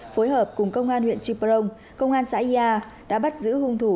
phối hợp cùng công an huyện trư pông công an xã yà đã bắt giữ hung thủ